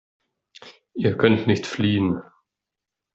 Ihr könnt nicht fliehen.